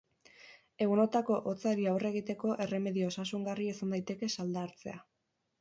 Egunotako hotzari aurre egiteko erremedio osasungarria izan daiteke salda hartzea.